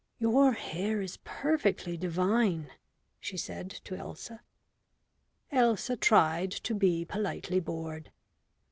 "Your hair is perfectly divine," she said to Elsa. Elsa tried to be politely bored.